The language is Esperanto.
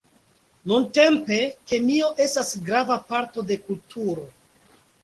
Nuntempe kemio estas grava parto de kulturo.